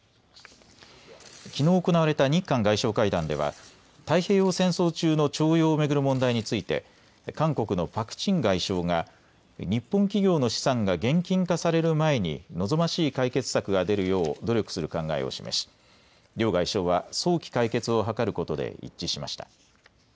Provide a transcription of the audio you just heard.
きのう行われた日韓外相会談では太平洋戦争中の徴用を巡る問題について韓国のパク・チン外相が日本企業の資産が現金化される前に望ましい解決策が出るよう努力する考えを示し、両外相は早期解決を図ることで一致しました。